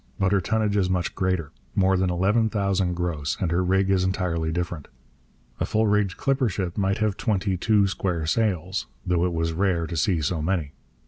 But her tonnage is much greater, more than eleven thousand gross, and her rig is entirely different. A full rigged clipper ship might have twenty two square sails, though it was rare to see so many.